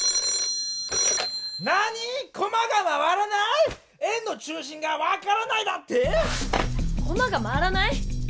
☎なにぃ⁉コマが回らない⁉円の中心がわからないだって⁉コマが回らない？